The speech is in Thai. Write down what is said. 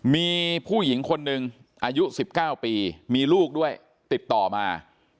มีผู้หญิงคนหนึ่งอายุ๑๙ปีมีลูกด้วยติดต่อมา